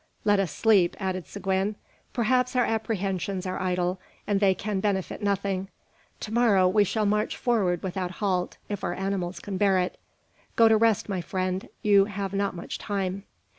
"Let us sleep," added Seguin. "Perhaps our apprehensions are idle, and they can benefit nothing. To morrow we shall march forward without halt, if our animals can bear it. Go to rest, my friend; you have not much time."